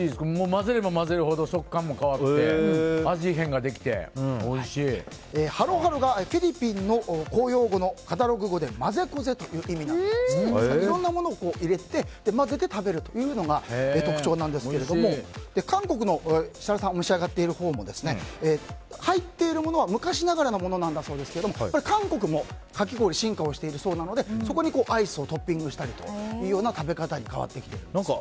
混ぜれば混ぜるほど食感も変わってハロハロがフィリピンの公用語のタガログ語で混ぜこぜという意味なんだそうでいろんなものを入れて混ぜて食べるというのが特徴なんですけども韓国の設楽さんが召し上がっているものも入っているものは昔ながらのものだそうですが韓国もかき氷進化をしているそうなのでそこにアイスをトッピングしたりというような食べ方に変わってきているそうです。